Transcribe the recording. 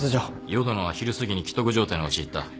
淀野は昼すぎに危篤状態に陥った。